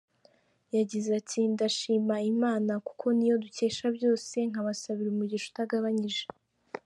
Yagize ati: “Ndashima Imana kuko niyo dukesha byose, nkabasabira umugisha utagabanyije.